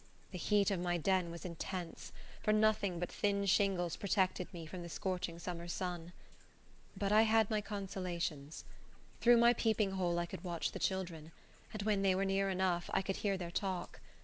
The heat of my den was intense, for nothing but thin shingles protected me from the scorching summer's sun. But I had my consolations. Through my peeping hole I could watch the children, and when they were near enough, I could hear their talk.